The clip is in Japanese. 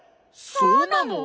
そうなの？